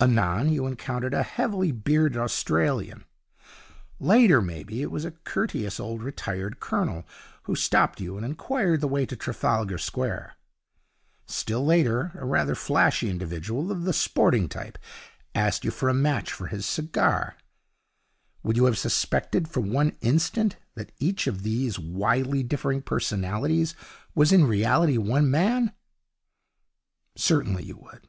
Anon, you encountered a heavily bearded Australian. Later, maybe, it was a courteous old retired colonel who stopped you and inquired the way to Trafalgar Square. Still later, a rather flashy individual of the sporting type asked you for a match for his cigar. Would you have suspected for one instant that each of these widely differing personalities was in reality one man? Certainly you would.